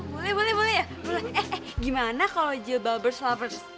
boleh boleh boleh ya gimana kalau jilbabers lovers